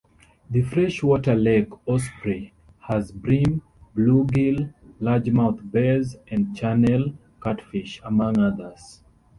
The freshwater Lake Osprey has bream, bluegill, largemouth bass and channel catfish, among others.